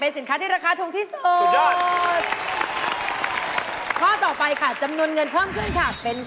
แพงกว่าแพงกว่าแพงกว่าแพงกว่าแพงกว่าแพงกว่าแพงกว่า